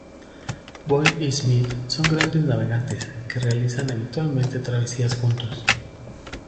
Boyle y Smith son grandes navegantes, que realizan habitualmente travesías juntos.